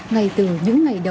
ngay từ những ngày đầu